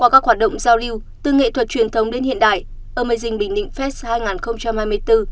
các hoạt động giao lưu từ nghệ thuật truyền thống đến hiện đại amazing bình định fest hai nghìn hai mươi bốn